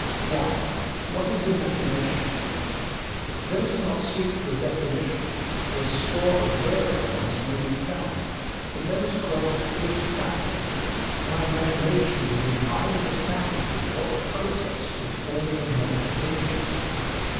I. WHAT IS IMAGINATION? Let us not seek for a definition, for a score of varying ones may be found, but let us grasp this fact: By imagination we mean either the faculty or the process of forming mental images.